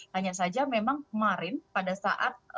hanya saja memang kemarin pada saat